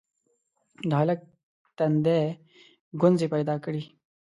د هلک تندي ګونځې پيدا کړې: